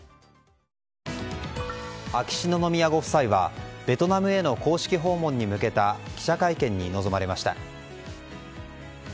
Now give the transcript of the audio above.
秋篠宮ご夫妻はベトナムへの公式訪問へ向けた記者会見に臨まれました。